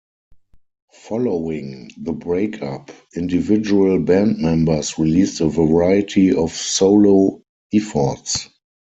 Following the breakup, individual band members released a variety of solo efforts.